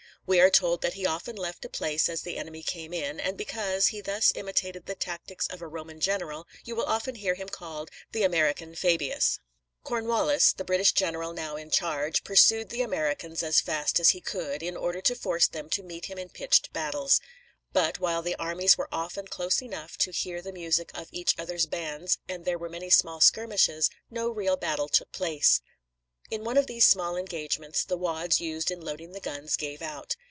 We are told that he often left a place as the enemy came in; and because he thus imitated the tactics of a Roman general, you will often hear him called the "American Fā´bi us." Corn wal´lis, the British general now in charge, pursued the Americans as fast as he could, in order to force them to meet him in pitched battles. But while the armies were often close enough to hear the music of each other's bands, and there were many small skirmishes, no real battle took place. In one of these small engagements the wads used in loading the guns gave out.